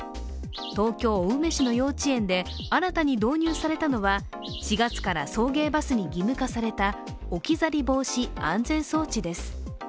東京・青梅市の幼稚園で新たに導入されたのは４月から送迎バスに義務化された置き去り防止安全装置です。